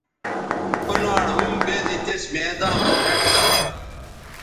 او ناڑ ھم بیزی تس میداں مہ بھیٹ گا